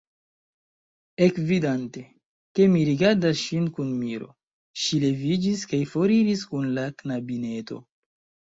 Ekvidante, ke mi rigardas ŝin kun miro, ŝi leviĝis kaj foriris kun la knabineto.